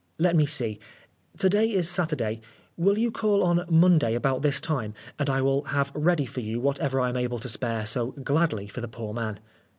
Let me see ? To day is Saturday. Will you call on Monday about this time, and I will have ready for you whatever I am able to spare so gladly for the poor man